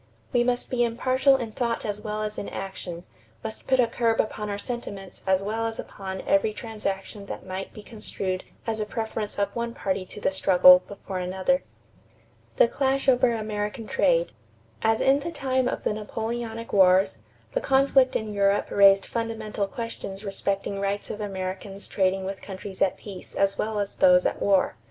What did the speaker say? We must be impartial in thought as well as in action, must put a curb upon our sentiments as well as upon every transaction that might be construed as a preference of one party to the struggle before another." =The Clash over American Trade.= As in the time of the Napoleonic wars, the conflict in Europe raised fundamental questions respecting rights of Americans trading with countries at peace as well as those at war.